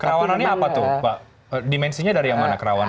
kerawanannya apa tuh pak dimensinya dari yang mana kerawanan